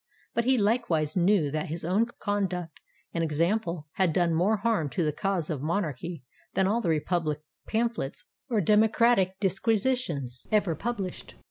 But he likewise knew that his own conduct and example had done more harm to the cause of Monarchy than all the republic pamphlets or democratic disquisitions ever published.